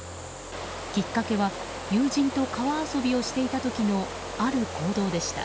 きっかけは友人と川遊びをしていた時のある行動でした。